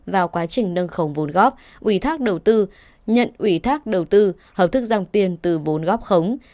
vào quá trình nâng khống vốn góp ủy thác đầu tư nhận ủy thác đầu tư hợp thức dòng tiền từ vốn góp khống